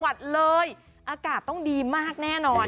จังหวัดเลยอากาศต้องดีมากแน่นอน